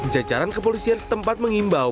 jajaran kepolisian setempat mengimbau